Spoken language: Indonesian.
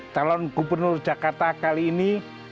calon gubernur jakarta kali ini